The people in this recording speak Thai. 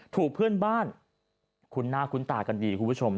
ถูกเพื่อนบ้านคุ้นหน้าคุ้นตากันดีคุณผู้ชม